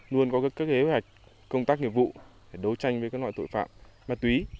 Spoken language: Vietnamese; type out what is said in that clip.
luôn có các kế hoạch công tác nghiệp vụ để đấu tranh với các loại tội phạm ma túy